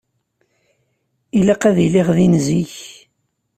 Ilaq ad iliɣ din zik.